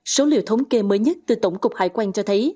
số liệu thống kê mới nhất từ tổng cục hải quan cho thấy